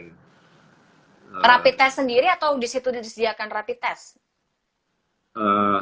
rapid test sendiri atau disitu disediakan rapid test